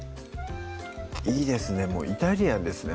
いいですねもうイタリアンですね